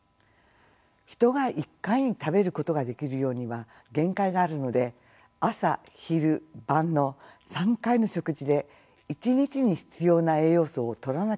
人が一回に食べることができる量には限界があるので朝昼晩の３回の食事で一日に必要な栄養素をとらなければなりません。